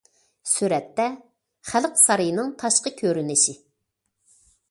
سۈرەتتە: خەلق سارىيىنىڭ تاشقى كۆرۈنۈشى.